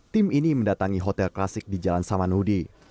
tim ini mendatangi hotel klasik di jalan samanhudi